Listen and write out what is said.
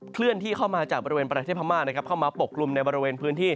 เคลื่อนที่เข้ามาจากบริเวณประเทศพม่านะครับเข้ามาปกกลุ่มในบริเวณพื้นที่